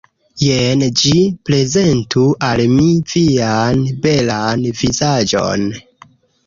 Jen ĝi. Prezentu al mi vian belan vizaĝon!